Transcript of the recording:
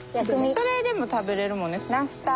それでも食べれるもんね。